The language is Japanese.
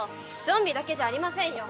ゾンビだけじゃありませんよ。